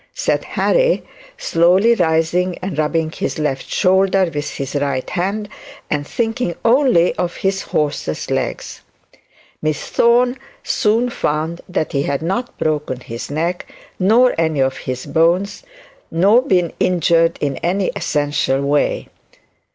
said Harry, slowly rising and rubbing his left shoulder with his right hand, and thinking only of his horse's legs. Miss Thorne soon found that he had not broken his neck, nor any of his bones, nor been injured in any essential way.